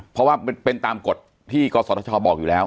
เพราะว่าเป็นตามกฎที่กศธชบอกอยู่แล้ว